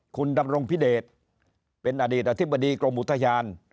คุณดำรงพิเดชเป็นอดีตอธิบดีกรมอุทยาน